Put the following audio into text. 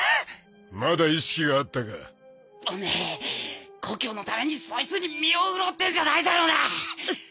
まだ意識があったかオメエ故郷のためにそいつに身を売ろうってんじゃないだろうな